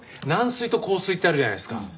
軟水と硬水ってあるじゃないですか。